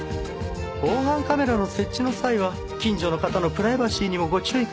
防犯カメラの設置の際は近所の方のプライバシーにもご注意ください。